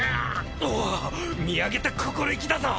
おお見上げた心意気だぞ。